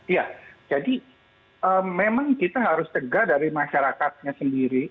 iya jadi memang kita harus cegah dari masyarakatnya sendiri